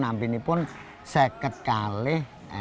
nampi ini pun seket kali